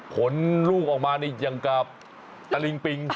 ลูกออกมานี่อย่างกับตะลิงปิง